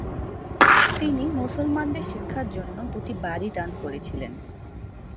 তিনি মুসলমানদের শিক্ষার জন্য দুটি বাড়ি দান করেছিলেন।